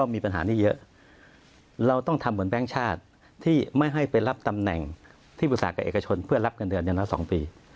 มันต้องทำบนแบงค์ชาติที่ไม่ให้ไปรับตำแหน่งที่บุษากับเอกชนเพื่อรับเงินเดือนในละ๒ปี